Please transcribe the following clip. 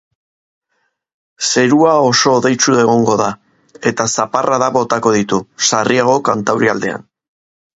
Zerua oso hodeitsu egongo da, eta zaparradak botako ditu, sarriago kantaurialdean.